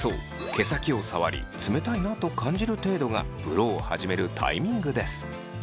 毛先を触り冷たいなと感じる程度がブローを始めるタイミングです。